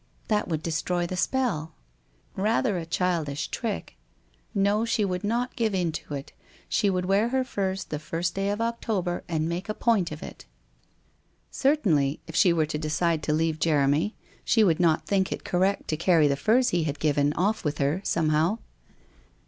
That would destroy the spell? ... Bather a childish trick! No, she would not give in to it. She would wear her furs the first day of October, and make a point of it. 292 WHITE ROSE OF WEARY LEAF Certainly, if she were to decide to leave Jeremy, she would not think it correct to carry the furs he had given off with her, somehow?